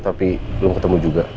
tapi belum ketemu juga